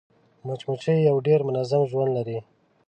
مچمچۍ یو ډېر منظم ژوند لري